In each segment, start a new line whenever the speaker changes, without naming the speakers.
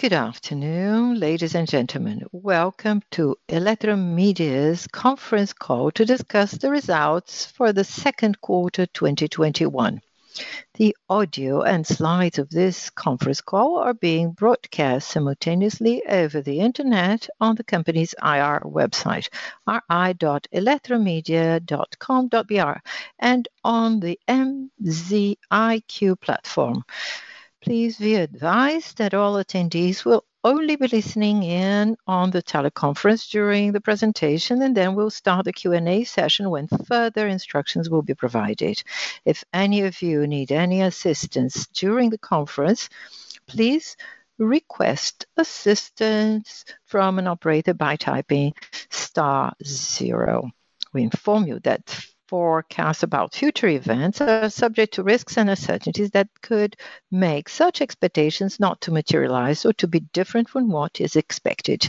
Good afternoon, ladies and gentlemen. Welcome to Eletromidia's conference call to discuss the results for the Q2 2021. The audio and slides of this conference call are being broadcast simultaneously over the internet on the company's IR website, ir.eletromidia.com.br, and on the MZiQ platform. Please be advised that all attendees will only be listening in on the teleconference during the presentation, and then we'll start the Q&A session when further instructions will be provided. If any of you need any assistance during the conference, please request assistance from an operator by typing star zero. We inform you that forecasts about future events are subject to risks and uncertainties that could make such expectations not to materialize or to be different from what is expected.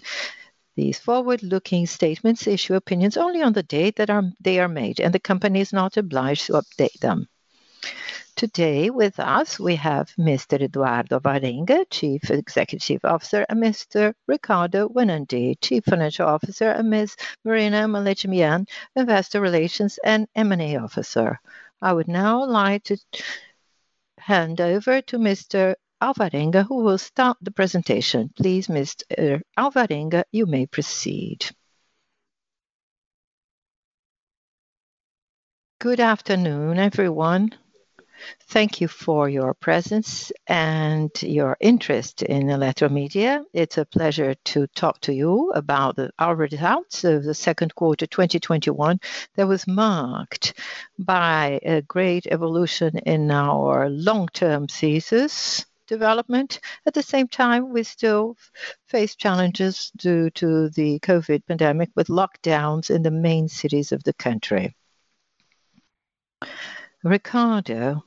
These forward-looking statements issue opinions only on the date that they are made, and the company is not obliged to update them. Today with us, we have Mr. Eduardo Alvarenga, Chief Executive Officer, and Mr. Ricardo de Almeida Winandy, Chief Financial Officer, and Ms. Marina Pereira Melemendjian, Investor Relations and M&A Officer. I would now like to hand over to Mr. Alvarenga, who will start the presentation. Please, Mr. Alvarenga, you may proceed.
Good afternoon, everyone. Thank you for your presence and your interest in Eletromidia. It's a pleasure to talk to you about our results of the second quarter 2021 that was marked by a great evolution in our long-term thesis development. At the same time, we still face challenges due to the COVID pandemic, with lockdowns in the main cities of the country. Ricardo,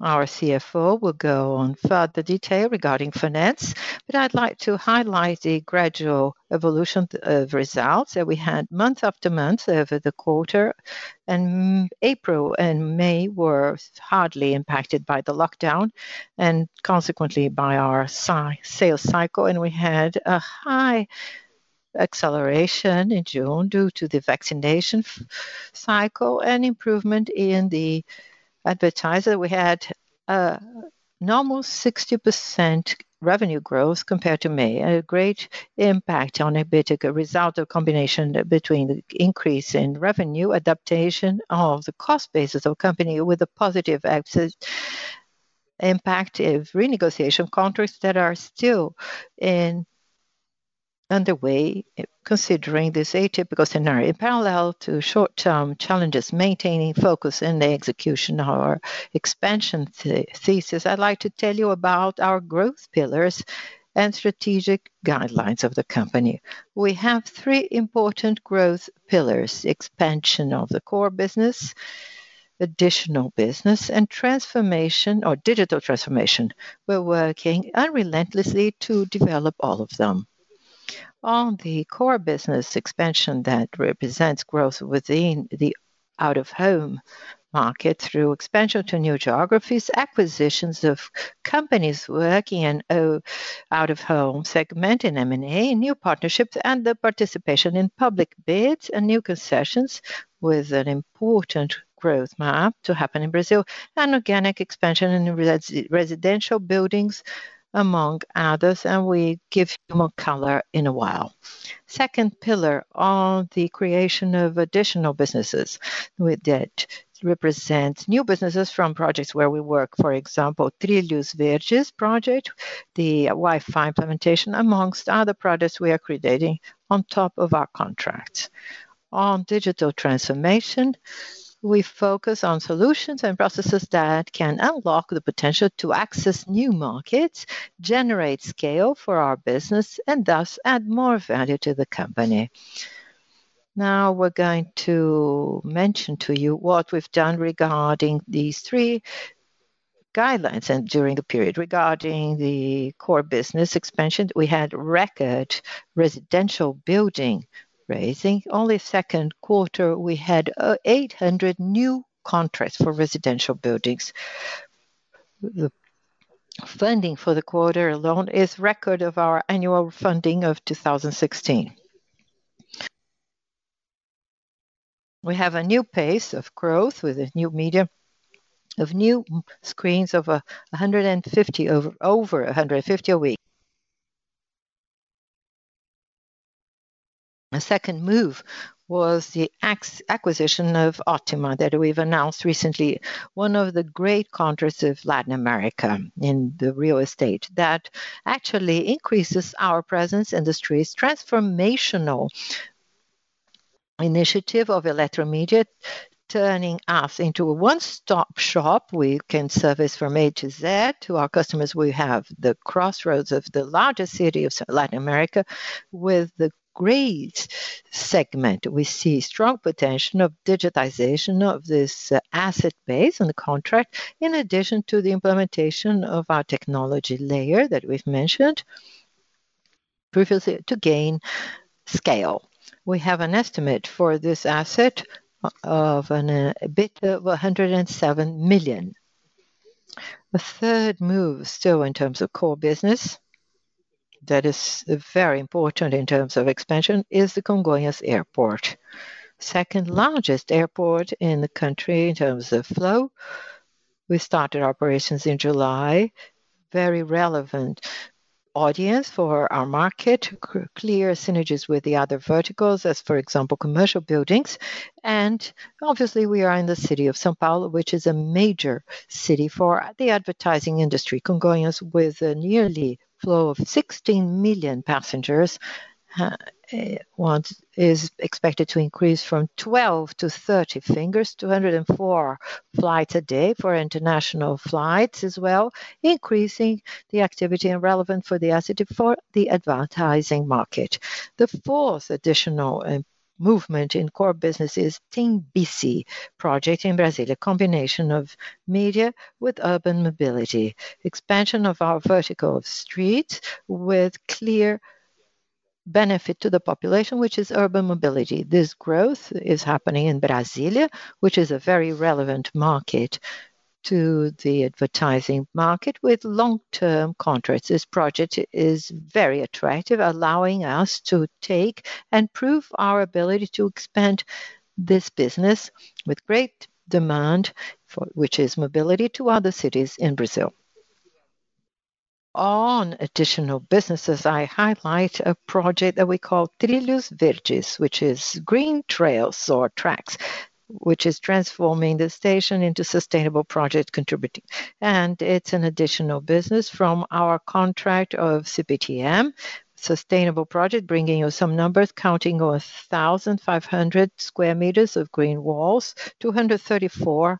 our CFO, will go on further detail regarding finance. I'd like to highlight the gradual evolution of results that we had month after month over the quarter. April and May were hardly impacted by the lockdown, and consequently by our sales cycle, and we had a high acceleration in June due to the vaccination cycle and improvement in the advertiser. We had a normal 60% revenue growth compared to May. A great impact on EBITDA result, a combination between the increase in revenue, adaptation of the cost basis of company with a positive impact of renegotiation contracts that are still underway considering this atypical scenario. In parallel to short-term challenges, maintaining focus in the execution of our expansion thesis, I'd like to tell you about our growth pillars and strategic guidelines of the company. We have three important growth pillars: expansion of the core business, additional business, and digital transformation. We're working unrelentlessly to develop all of them. On the core business expansion that represents growth within the out-of-home market through expansion to new geographies, acquisitions of companies working in out-of-home segment in M&A, new partnerships, and the participation in public bids and new concessions with an important growth map to happen in Brazil. An organic expansion in residential buildings, among others, and we give you more color in a while. Second pillar on the creation of additional businesses that represents new businesses from projects where we work, for example, Trilhos Verdes project, the Wi-Fi implementation, amongst other projects we are creating on top of our contracts. On digital transformation, we focus on solutions and processes that can unlock the potential to access new markets, generate scale for our business, and thus add more value to the company. Now, we're going to mention to you what we've done regarding these three guidelines and during the period. Regarding the core business expansion, we had record residential building raising. Only second quarter, we had 800 new contracts for residential buildings. The funding for the quarter alone is record of our annual funding of 2016. We have a new pace of growth with a new medium of new screens over 150 a week. A second move was the acquisition of Ótima that we've announced recently. One of the great contracts of Latin America in the real estate that actually increases our presence in this transformational initiative of Eletromidia, turning us into a one-stop shop. We can service from A to Z to our customers. We have the crossroads of the largest city of Latin America with a great segment. We see strong potential of digitization of this asset base and the contract, in addition to the implementation of our technology layer that we've mentioned. Previously, to gain scale, we have an estimate for this asset of a bit over 107 million. The third move, still in terms of core business, that is very important in terms of expansion, is the Congonhas Airport. Second largest airport in the country in terms of flow. We started operations in July. Very relevant audience for our market. Clear synergies with the other verticals as, for example, commercial buildings. Obviously, we are in the city of São Paulo, which is a major city for the advertising industry. Congonhas, with a yearly flow of 16 million passengers, is expected to increase from 12 to 30 fingers, 204 flights a day for international flights as well, increasing the activity and relevant for the advertising market. The fourth additional movement in core business is Tembici project in Brazil. A combination of media with urban mobility. Expansion of our vertical street with clear benefit to the population, which is urban mobility. This growth is happening in Brasília, which is a very relevant market to the advertising market with long-term contracts. This project is very attractive, allowing us to take and prove our ability to expand this business with great demand, which is mobility to other cities in Brazil. On additional businesses, I highlight a project that we call Trilhos Verdes, which is green trails or tracks, which is transforming the station into sustainable project contributing. It's an additional business from our contract of CPTM, sustainable project, bringing you some numbers, counting 1,500 sq m of green walls, 234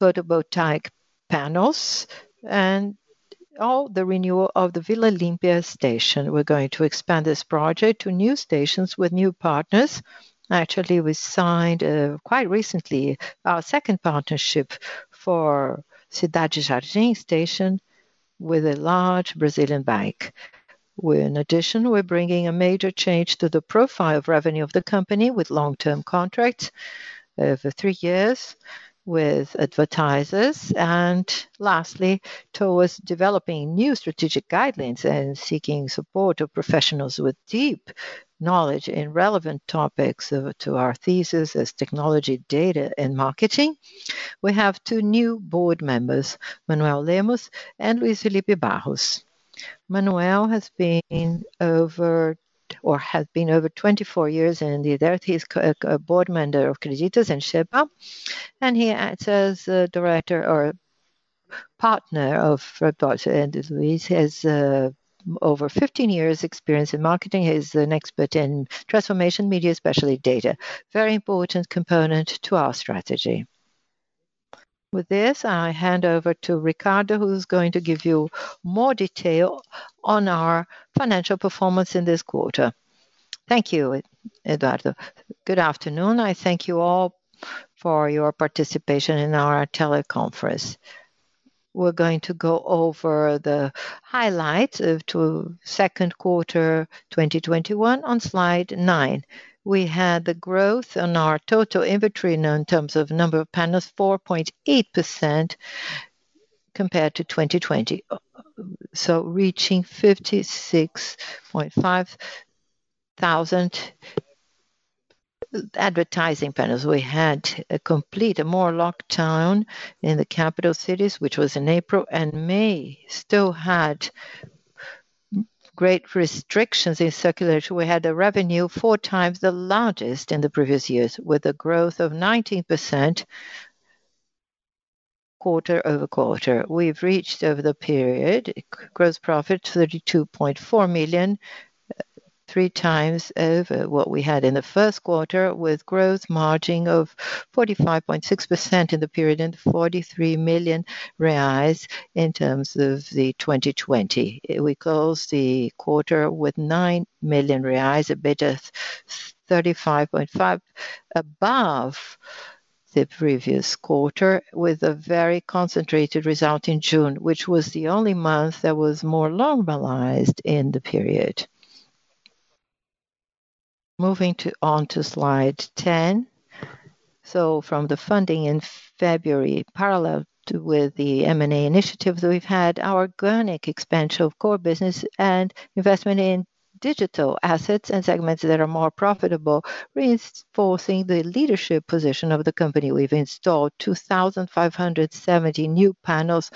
photovoltaic panels, and all the renewal of the Vila Olímpia station. We're going to expand this project to new stations with new partners. Actually, we signed, quite recently, our second partnership for Cidade Jardim station with a large Brazilian bank. We're bringing a major change to the profile of revenue of the company with long-term contracts over three years with advertisers. Towards developing new strategic guidelines and seeking support of professionals with deep knowledge in relevant topics to our thesis as technology, data, and marketing. We have two new board members, Manoel Lemos and Luiz Felipe Barros. Manoel has been over 24 years and he's a board member of Creditas and Xeppaa, and he acts as director or partner of Redpoint. Luiz has over 15 years' experience in marketing. He's an expert in transformation media, especially data. Very important component to our strategy. With this, I hand over to Ricardo, who's going to give you more detail on our financial performance in this quarter.
Thank you, Eduardo. Good afternoon. I thank you all for your participation in our teleconference. We're going to go over the highlights to second quarter 2021 on Slide 9. We had the growth on our total inventory now in terms of number of panels, 4.8% compared to 2020. Reaching 56,500 advertising panels. We had a complete, a more lockdown in the capital cities, which was in April, and May still had great restrictions in circulation. We had the revenue 4x the largest in the previous years, with a growth of 19% quarter-over-quarter. We've reached over the period gross profit to 32.4 million, 3x over what we had in the 1st quarter, with gross margin of 45.6% in the period, and BRL 43 million in terms of 2020. We close the quarter with 9 million reais, a bit of 35.5% above the previous quarter, with a very concentrated result in June, which was the only month that was more normalized in the period. Moving on to Slide 10. From the funding in February, parallel with the M&A initiatives, we've had organic expansion of core business and investment in digital assets and segments that are more profitable, reinforcing the leadership position of the company. We've installed 2,570 new panels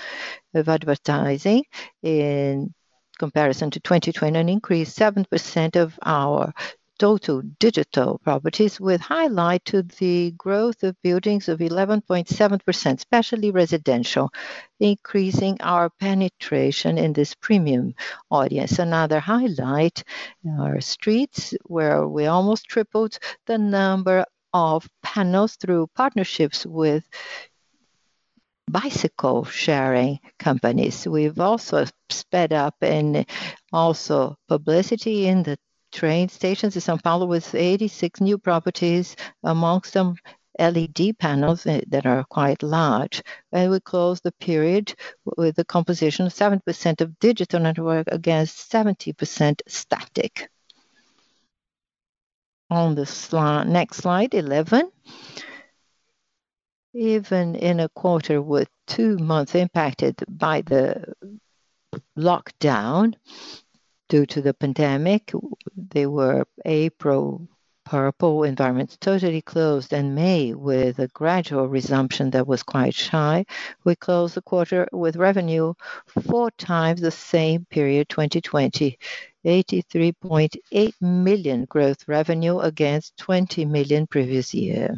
of advertising in comparison to 2020, an increase 7% of our total digital properties, with highlight to the growth of buildings of 11.7%, especially residential, increasing our penetration in this premium audience. Another highlight, our streets, where we almost tripled the number of panels through partnerships with bike-sharing companies. We've also sped up in also publicity in the train stations in São Paulo with 86 new properties, amongst them LED panels that are quite large. We close the period with the composition of 7% of digital network against 70% static. On the next Slide 11. Even in a quarter with two months impacted by the lockdown due to the pandemic, they were April, purple environments totally closed, and May with a gradual resumption that was quite shy. We closed the quarter with revenue 4x the same period, 2020, 83.8 million growth revenue against 20 million previous year.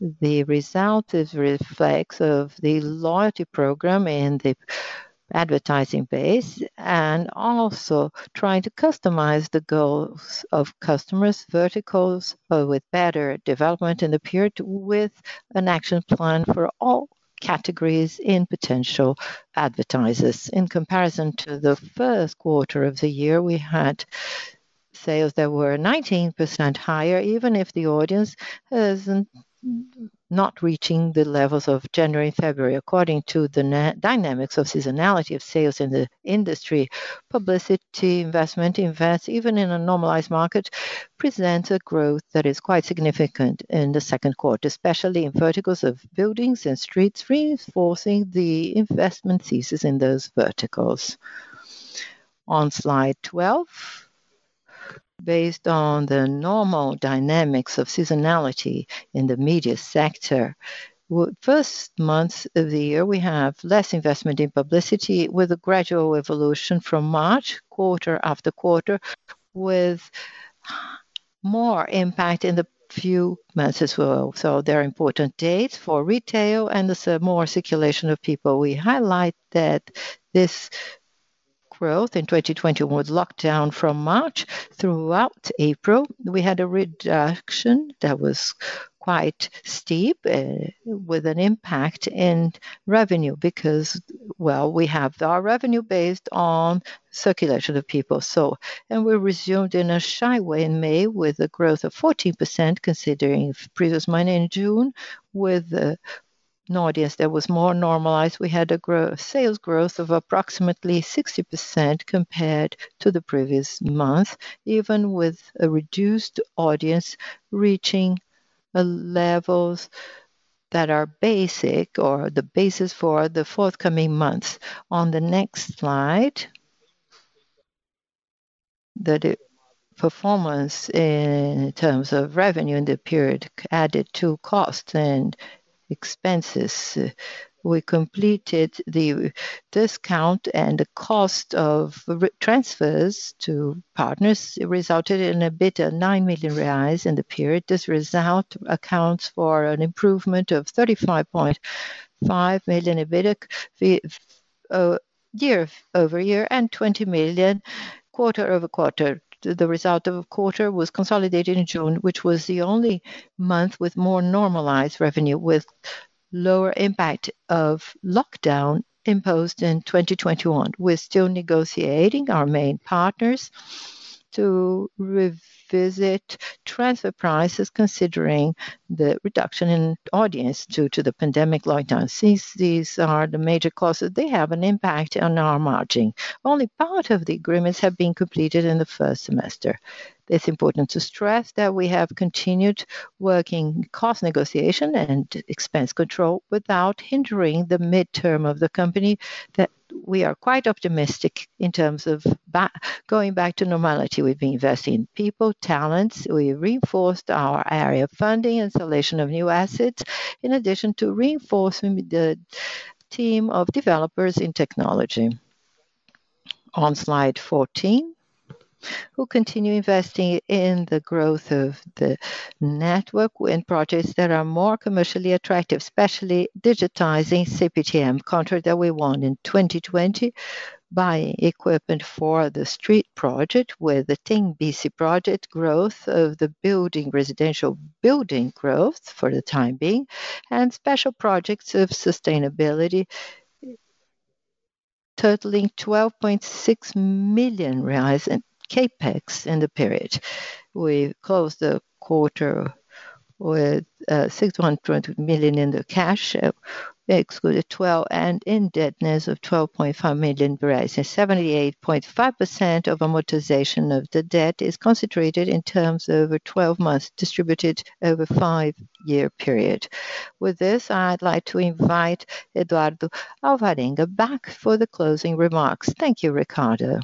The result is a reflex of the loyalty program and the advertising base, and also trying to customize the goals of customers, verticals with better development in the period with an action plan for all categories in potential advertisers. In comparison to the first quarter of the year, we had sales that were 19% higher, even if the audience is not reaching the levels of January and February. According to the dynamics of seasonality of sales in the industry, publicity investment invests, even in a normalized market, presents a growth that is quite significant in the second quarter, especially in verticals of buildings and streets, reinforcing the investment thesis in those verticals. On Slide 12. Based on the normal dynamics of seasonality in the media sector, first months of the year, we have less investment in publicity with a gradual evolution from March quarter-after-quarter, with more impact in the few months as well. There are important dates for retail and there's more circulation of people. We highlight that this growth in 2021 was locked down from March throughout April. We had a reduction that was quite steep, with an impact in revenue because, well, we have our revenue based on circulation of people. We resumed in a shy way in May with a growth of 14% considering previous month. In June, with an audience that was more normalized, we had a sales growth of approximately 60% compared to the previous month, even with a reduced audience reaching levels that are basic or the basis for the forthcoming months. On the next slide. The performance in terms of revenue in the period added to costs and expenses. We completed the discount and the cost of transfers to partners resulted in a EBITDA 9 million reais in the period. This result accounts for an improvement of 35.5 million EBITDA year-over-year and 20 million quarter-over-quarter. The result of a quarter was consolidated in June, which was the only month with more normalized revenue, with lower impact of lockdown imposed in 2021. We're still negotiating our main partners to revisit transfer prices considering the reduction in audience due to the pandemic lockdown. Since these are the major causes, they have an impact on our margin. Only part of the agreements have been completed in the first semester. It's important to stress that we have continued working cost negotiation and expense control without hindering the midterm of the company, that we are quite optimistic in terms of going back to normality. We've been investing in people, talents. We reinforced our area funding, installation of new assets, in addition to reinforcing the team of developers in technology. On Slide 14. We will continue investing in the growth of the network in projects that are more commercially attractive, especially digitizing CPTM contract that we won in 2020, buying equipment for the street project with the Tembici project, growth of the building, residential building growth for the time being, and special projects of sustainability totaling 12.6 million reais in CapEx in the period. We closed the quarter with R$620 million in the cash, excluding 12, and indebtedness of R$12.5 million. 78.5% of amortization of the debt is concentrated in terms over 12 months, distributed over a five-year period. With this, I'd like to invite Eduardo Alvarenga back for the closing remarks.
Thank you, Ricardo.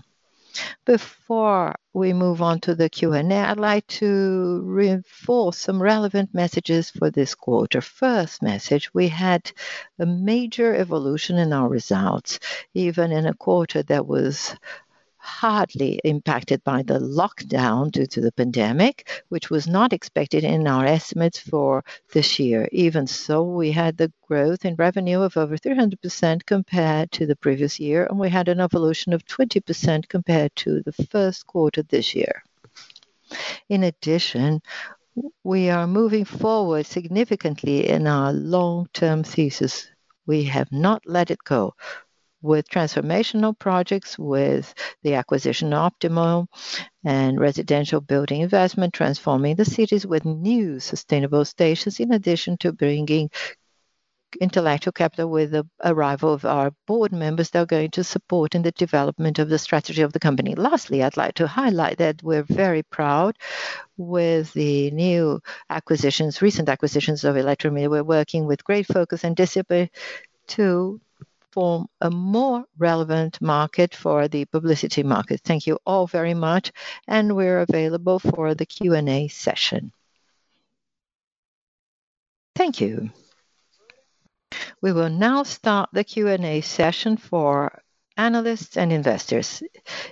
Before we move on to the Q&A, I'd like to reinforce some relevant messages for this quarter. First message, we had a major evolution in our results, even in a quarter that was hardly impacted by the lockdown due to the pandemic, which was not expected in our estimates for this year. Even so, we had the growth in revenue of over 300% compared to the previous year, and we had an evolution of 20% compared to the first quarter this year. In addition, we are moving forward significantly in our long-term thesis. We have not let it go. With transformational projects, with the acquisition of Ótima and residential building investment, transforming the cities with new sustainable stations, in addition to bringing intellectual capital with the arrival of our board members, they're going to support in the development of the strategy of the company. Lastly, I'd like to highlight that we're very proud with the new recent acquisitions of Eletromidia. We're working with great focus and discipline to form a more relevant market for the publicity market. Thank you all very much, and we're available for the Q&A session.
Thank you. We will now start the Q&A session for analysts and investors.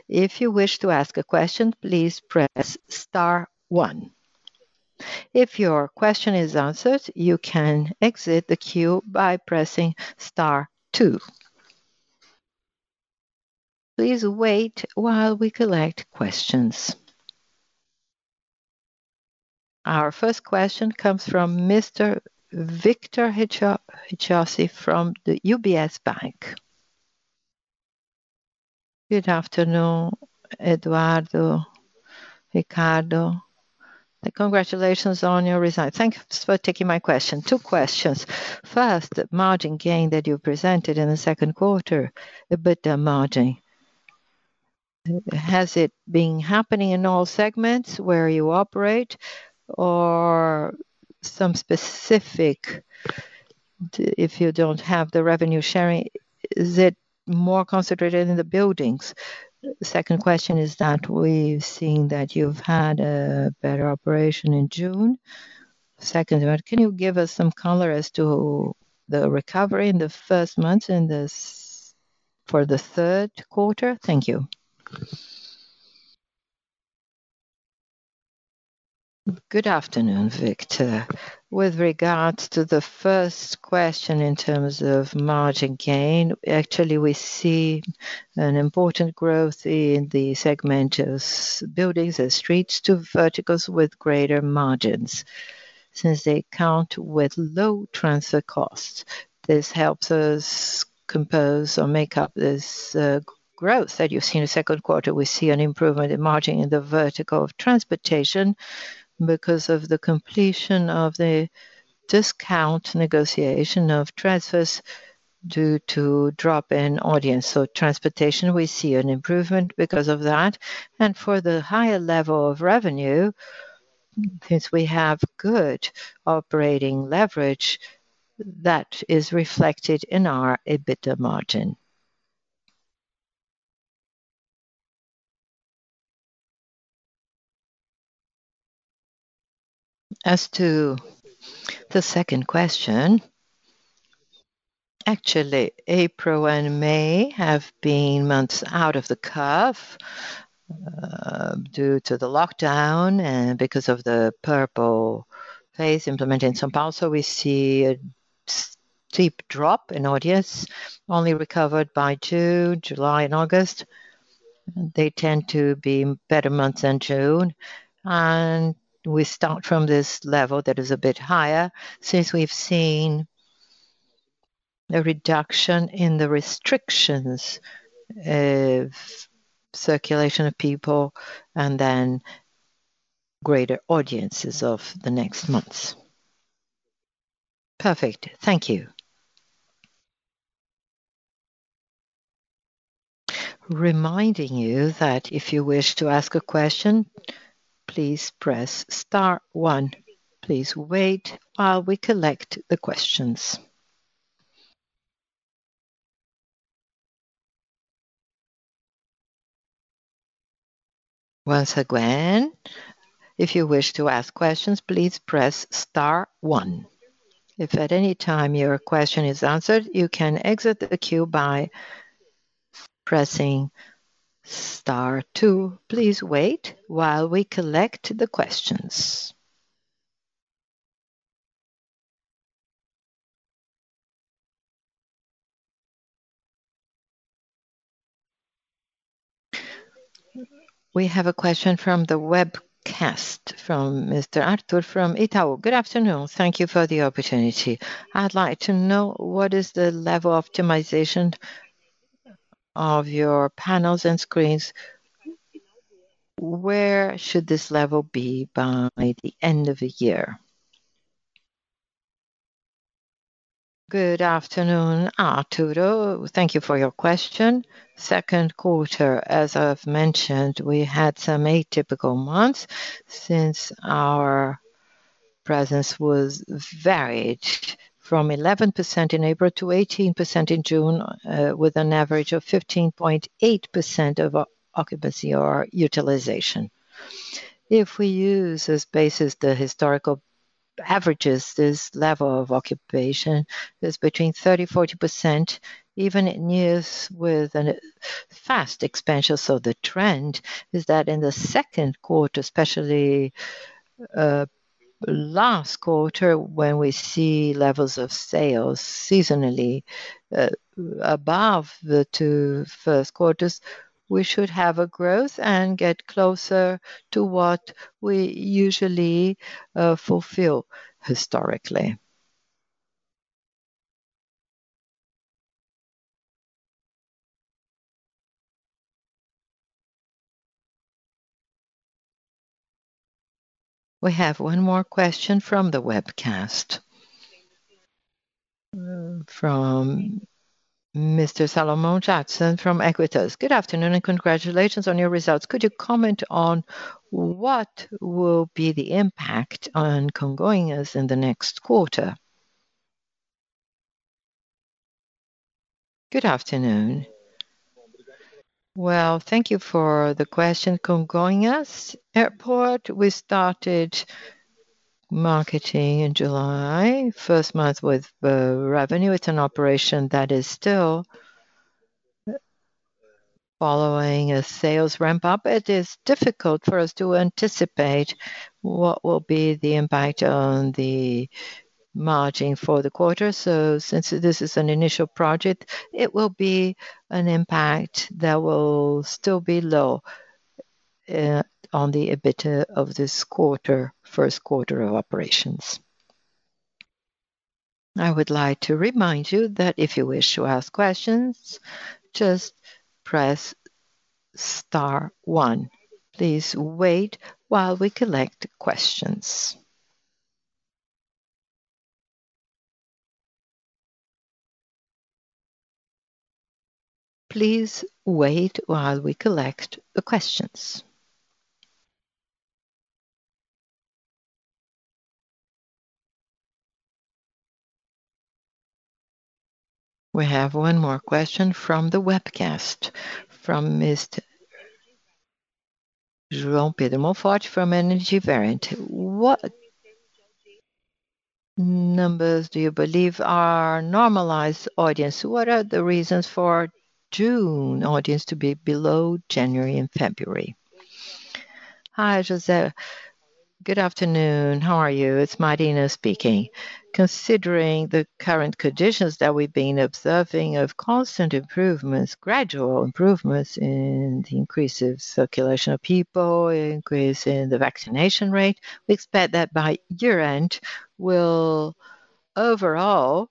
If you wish to ask a question please press star one. If your question is answered you can exit the queue by pressing star two. Please wait while we collect questions. Our first question comes from Mr. Victor Riccetto from the UBS.
Good afternoon, Eduardo, Ricardo. Congratulations on your results. Thank you for taking my question. Two questions. First, the margin gain that you presented in the second quarter, EBITDA margin. Has it been happening in all segments where you operate or some specific, if you don't have the revenue sharing, is it more concentrated in the buildings? Second question is that we've seen that you've had a better operation in June. Can you give us some color as to the recovery in the first months and for the third quarter? Thank you.
Good afternoon, Victor. With regards to the first question in terms of margin gain, actually, we see an important growth in the segment as buildings and streets, two verticals with greater margins, since they count with low transfer costs. This helps us compose or make up this growth that you've seen in the second quarter. We see an improvement in margin in the vertical of transportation because of the completion of the discount negotiation of transfers due to drop in audience. Transportation, we see an improvement because of that. For the higher level of revenue, since we have good operating leverage, that is reflected in our EBITDA margin. As to the second question, actually, April and May have been months out of the curve due to the lockdown and because of the purple phase implemented in São Paulo. We see a steep drop in audience, only recovered by two, July and August. They tend to be better months than June. We start from this level that is a bit higher since we've seen a reduction in the restrictions of circulation of people and then greater audiences of the next months.
Perfect. Thank you.
We have a question from the webcast from Mr. Arthur from Itaú. Good afternoon. Thank you for the opportunity. I'd like to know what is the level optimization of your panels and screens. Where should this level be by the end of the year?
Good afternoon, Arthur. Thank you for your question. Second quarter, as I've mentioned, we had some atypical months since our presence was varied from 11% in April to 18% in June, with an average of 15.8% of occupancy or utilization. If we use as basis the historical averages, this level of occupation is between 30%-40%, even in years with a fast expansion. The trend is that in the second quarter, especially last quarter, when we see levels of sales seasonally above the two first quarters, we should have a growth and get closer to what we usually fulfill historically.
We have one more question from the webcast. From Mr. Salomon Dayan from Equitas. Good afternoon, and congratulations on your results. Could you comment on what will be the impact on Congonhas in the next quarter?
Good afternoon. Well, thank you for the question. Congonhas Airport, we started marketing in July, first month with revenue. It's an operation that is still following a sales ramp-up. It is difficult for us to anticipate what will be the impact on the margin for the quarter. Since this is an initial project, it will be an impact that will still be low on the EBITDA of this first quarter of operations.
I would like to remind you that if you wish to ask questions, just press star one. Please wait while we collect questions. Please wait while we collect questions. We have one more question from the webcast from Mr. João Pedro Monforte from Energy Variant. What numbers do you believe are normalized audience? What are the reasons for June audience to be below January and February?
Hi, João. Good afternoon. How are you? It's Marina speaking. Considering the current conditions that we've been observing of constant improvements, gradual improvements in the increase of circulation of people, increase in the vaccination rate, we expect that by year-end, we'll overall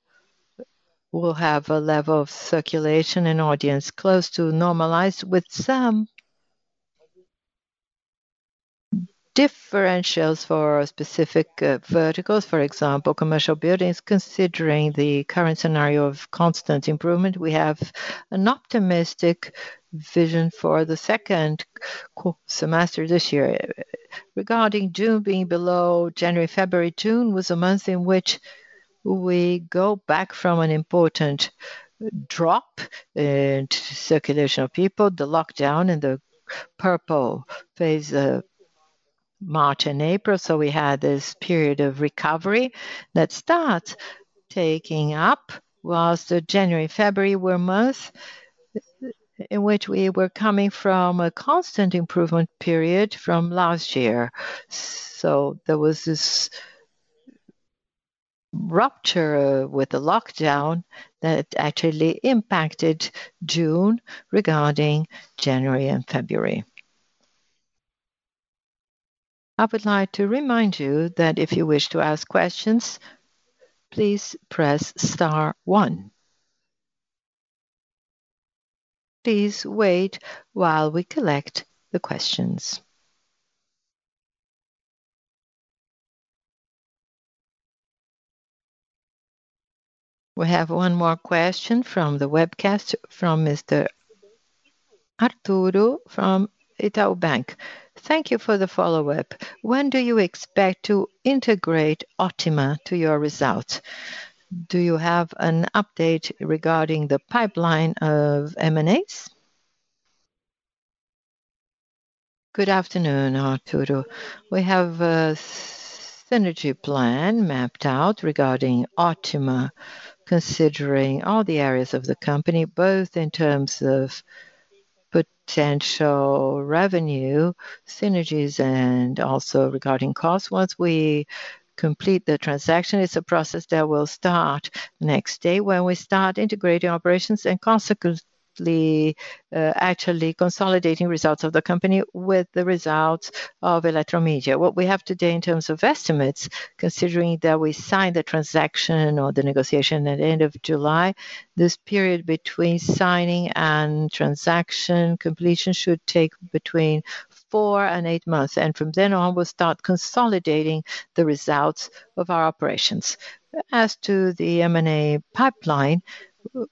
have a level of circulation and audience close to normalized with some differentials for specific verticals. For example, commercial buildings, considering the current scenario of constant improvement, we have an optimistic vision for the second semester this year. Regarding June being below January, February, June was a month in which we go back from an important drop in circulation of people, the lockdown, and the purple phase of March and April. We had this period of recovery that starts taking up, whilst the January, February were months in which we were coming from a constant improvement period from last year. There was this rupture with the lockdown that actually impacted June regarding January and February.
I would like to remind you that if you wish to ask questions, please press star one. Please wait while we collect the questions. We have one more question from the webcast from Mr. Arturo from Itaú Bank. Thank you for the follow-up. When do you expect to integrate Ótima to your results? Do you have an update regarding the pipeline of M&As?
Good afternoon, Arturo. We have a synergy plan mapped out regarding Ótima, considering all the areas of the company, both in terms of potential revenue synergies and also regarding cost. Once we complete the transaction, it's a process that will start the next day when we start integrating operations and consequently, actually consolidating results of the company with the results of Eletromidia. What we have today in terms of estimates, considering that we signed the transaction or the negotiation at the end of July, this period between signing and transaction completion should take between four and eight months. From then on, we'll start consolidating the results of our operations. As to the M&A pipeline,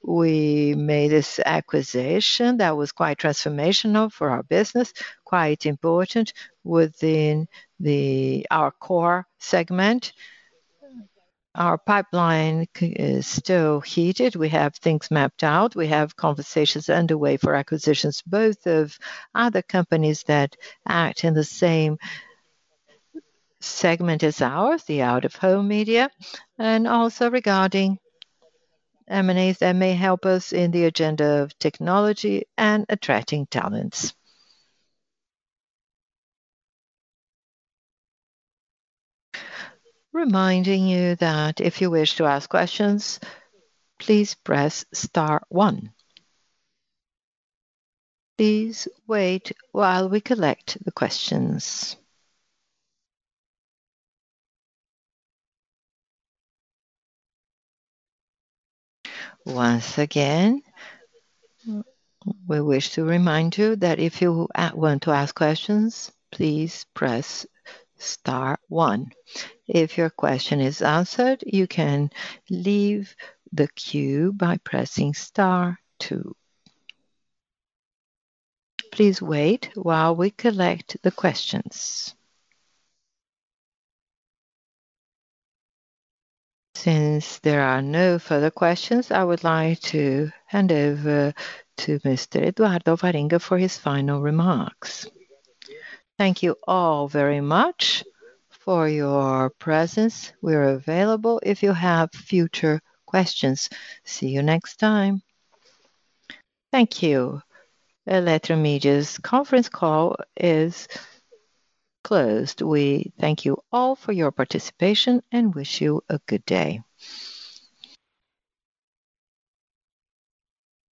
we made this acquisition that was quite transformational for our business, quite important within our core segment. Our pipeline is still heated. We have things mapped out. We have conversations underway for acquisitions, both of other companies that act in the same segment as ours, the out-of-home media, and also regarding M&As that may help us in the agenda of technology and attracting talents.
Reminding you that if you wish to ask questions, please press star one. Please wait while we collect the questions. Once again, we wish to remind you that if you want to ask questions, please press star one. If your question is answered, you can leave the queue by pressing star two. Please wait while we collect the questions. Since there are no further questions, I would like to hand over to Mr. Eduardo Alvarenga for his final remarks.
Thank you all very much for your presence. We're available if you have future questions. See you next time.
Thank you. Eletromidia's conference call is closed. We thank you all for your participation and wish you a good day.